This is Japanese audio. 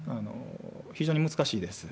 非常に難しいです。